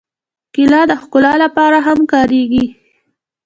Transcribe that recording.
کېله د ښکلا لپاره هم کارېږي.